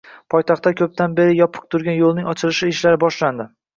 Poytaxtda koʻpdan beri yopiq turgan yoʻlning ochilish ishlari boshlandi.